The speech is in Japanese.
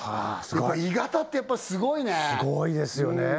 鋳型ってやっぱすごいねすごいですよね